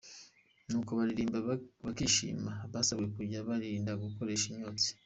Nubwo baririmba bakishimirwa basabwe kujya birinda gukoresha imyotsi.